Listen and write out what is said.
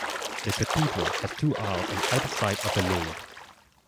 The cathedral has two aisles on either side of the nave.